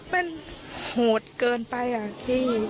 เป็นโหดเกินไปอะพี่